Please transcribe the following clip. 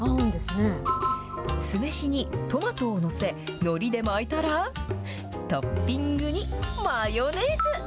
酢飯にトマトを載せ、のりで巻いたら、トッピングにマヨネーズ。